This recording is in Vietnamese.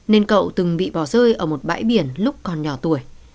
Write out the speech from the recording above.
nên cậu từng bị bỏ rơi ở một bãi biển lúc còn nhỏ tuổi